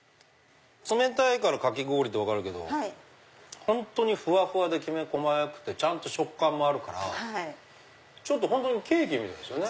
冷たいからかき氷って分かるけど本当にふわふわできめ細かくてちゃんと食感もあるからケーキみたいですよね。